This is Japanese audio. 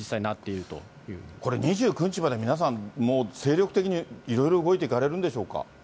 これ、２９日まで皆さん、もう精力的にいろいろ動いていかれるんでしょうか。